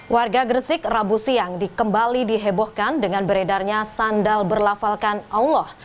warga gresik rabu siang dikembali dihebohkan dengan beredarnya sandal berlafalkan allah